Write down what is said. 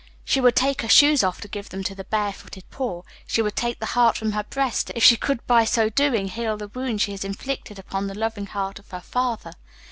She would take her shoes off to give them to the bare footed poor; she would take the heart from her breast, if she could by so doing heal the wounds she has inflicted upon the loving heart of her father.